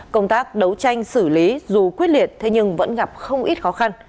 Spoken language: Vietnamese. công tác đấu tranh xử lý dù quyết liệt thế nhưng vẫn gặp không ít khó khăn